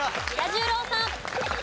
彌十郎さん。